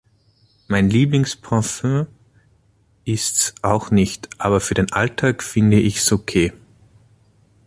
Mein Lieblingsparfüm ist’s auch nicht, aber für den Alltag finde ich’s okay.